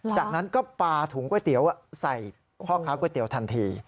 จากนั้นก็ปลาถุงก๋วยเตี๋ยวใส่พ่อค้าก๋วยเตี๋ยวทันที